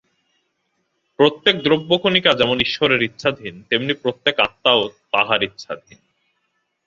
প্রত্যেক দ্রব্যকণিকা যেমন ঈশ্বরের ইচ্ছাধীন, তেমনি প্রত্যেক আত্মাও তাঁহার ইচ্ছাধীন।